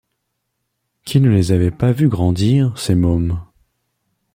Qu’il ne les avait pas vus grandir, ses mômes.